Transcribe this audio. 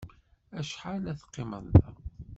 Acḥal ad teqqimeḍ da?